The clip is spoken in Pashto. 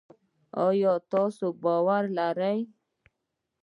آیا تاسو باور لرئ؟